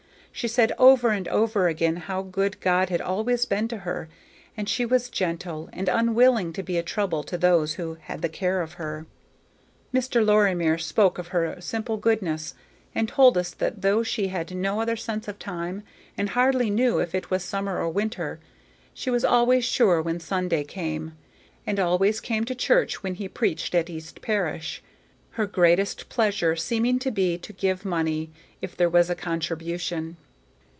She said over and over again how good God had always been to her, and she was gentle, and unwilling to be a trouble to those who had the care of her. Mr. Lorimer spoke of her simple goodness, and told us that though she had no other sense of time, and hardly knew if it were summer or winter, she was always sure when Sunday came, and always came to church when he preached at East Parish, her greatest pleasure seeming to be to give money, if there was a contribution.